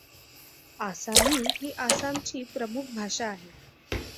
आसामी ही आसामची प्रमुख भाषा आहे.